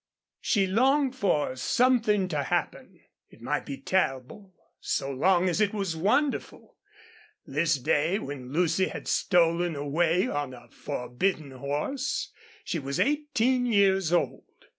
She longed for something to happen. It might be terrible, so long as it was wonderful. This day, when Lucy had stolen away on a forbidden horse, she was eighteen years old.